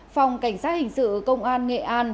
phòng cảnh sát hình sự công an nghệ an